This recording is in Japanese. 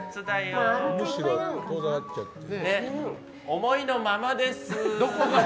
思いのままです。